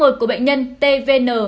của bệnh nhân tvn